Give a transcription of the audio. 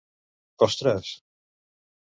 Ostres!